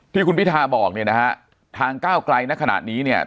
ที่คุณพิทาบอกเนี่ยนะฮะทางก้าวไกลในขณะนี้เนี่ย